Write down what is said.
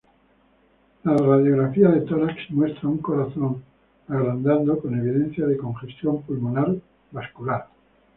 La radiografía de tórax muestra un corazón agrandado con evidencia de congestión pulmonar vascular.